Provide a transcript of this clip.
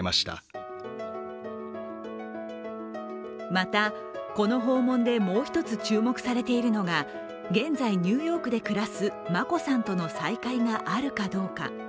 また、この訪問でもう一つ注目されているのが現在ニューヨークで暮らす眞子さんとの再会があるかどうか。